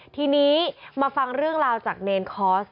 ทีนี้มาฟังเรื่องราวจากเนรคอร์ส